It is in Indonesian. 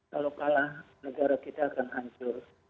kalau kalah negara kita akan hancur